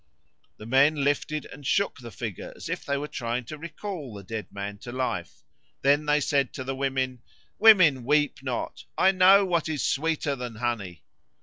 The men lifted and shook the figure as if they were trying to recall the dead man to life. Then they said to the women, "Women, weep not. I know what is sweeter than honey."